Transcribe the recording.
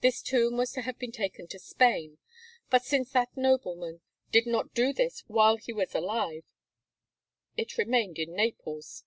This tomb was to have been taken to Spain; but, since that nobleman did not do this while he was alive, it remained in Naples.